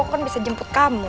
aku kan bisa jemput kamu